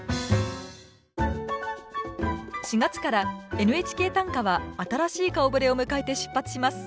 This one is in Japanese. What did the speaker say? ４月から「ＮＨＫ短歌」は新しい顔ぶれを迎えて出発します。